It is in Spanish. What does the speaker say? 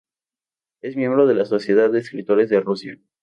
Es miembro de la sociedad de escritores de Rusia.